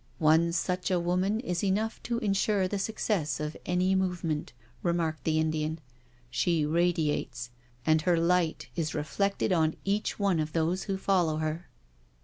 " One such a woman is enough to ensure the success of any movement/* remarked the Indian; " she radiates, and her light is reflected on each one of those who follow her."